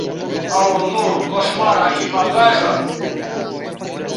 Aŭ nur koŝmara imagaĵo?